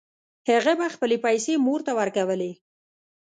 هغه به خپلې پیسې مور ته ورکولې